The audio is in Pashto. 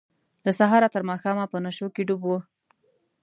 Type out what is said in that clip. له سهاره تر ماښامه په نشو کې ډوب وه.